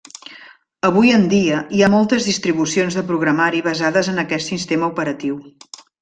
Avui en dia, hi ha moltes distribucions de programari basades en aquest sistema operatiu.